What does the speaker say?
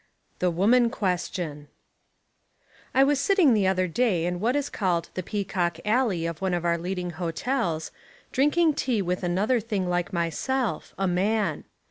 — The Woman Question I WAS sitting the other day in what is called the Peacock Alley of one of our leading hotels, drinking tea with another thing like myself, a man.